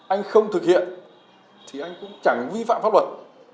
anh không thực hiện thì anh cũng chẳng vi phạm pháp luật